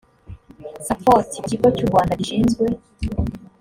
support mu kigo cy u rwanda gishinzwe